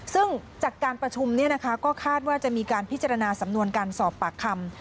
ซึ่งจากการประชุมก็คาดว่าจะมีการพิจารณาสำนวนการสอบปากคำ